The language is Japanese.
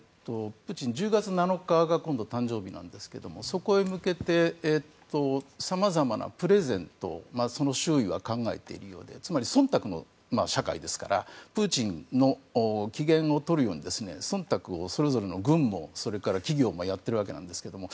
プーチン、１０月７日が誕生日なんですけどそこへ向けてさまざまなプレゼントを周囲は考えているようでつまり忖度の社会ですからプーチンの機嫌をとるように忖度をそれぞれの軍もそれから企業もやっているわけなんですけれども。